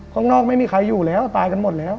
ข้างนอกไม่มีใครอยู่แล้วตายกันหมดแล้ว